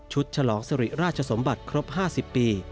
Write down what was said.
ฉลองสริราชสมบัติครบ๕๐ปี